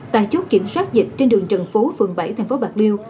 tại chốt kiểm soát dịch trên đường trần phú phường bảy thành phố bạc liêu